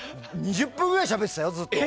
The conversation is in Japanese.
２０分ぐらいしゃべってたよ。